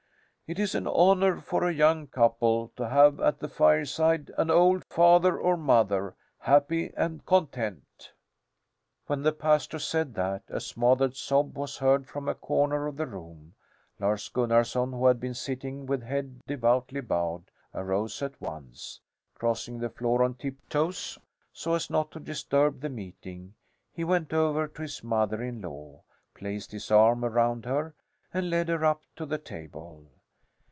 It is an honour for a young couple to have at the fireside an old father or mother, happy and content " When the pastor said that a smothered sob was heard from a corner of the room. Lars Gunnarson, who had been sitting with head devoutly bowed, arose at once. Crossing the floor on tiptoes, so as not to disturb the meeting, he went over to his mother in law, placed his arm around her, and led her up to the table.